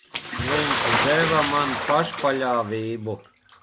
Viņš deva man pašpaļāvību.